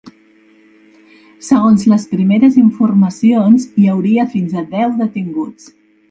Segons les primeres informacions, hi hauria fins a deu detinguts.